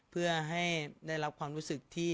เพื่อให้ได้รับความรู้สึกที่